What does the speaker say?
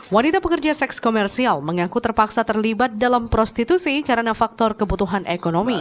wanita pekerja seks komersial mengaku terpaksa terlibat dalam prostitusi karena faktor kebutuhan ekonomi